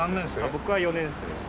僕は４年生。